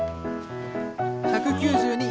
１９２！